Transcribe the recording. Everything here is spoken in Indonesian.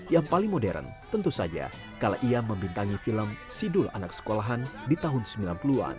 yang paling modern tentu saja kalau ia membintangi film sidul anak sekolahan di tahun sembilan puluh an